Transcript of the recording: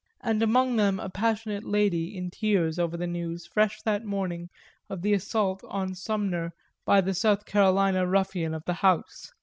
and among them a passionate lady in tears over the news, fresh that morning, of the assault on Sumner by the South Carolina ruffian of the House.